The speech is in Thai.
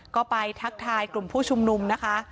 ก็ไปทักทายกลุ่มผู้ชุมนุมนะคะ